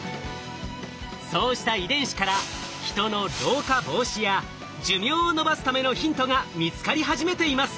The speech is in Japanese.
そうした遺伝子からヒトの老化防止や寿命を延ばすためのヒントが見つかり始めています。